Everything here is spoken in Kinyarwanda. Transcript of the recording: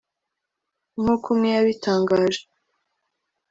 nk’uko umwe yabitangaje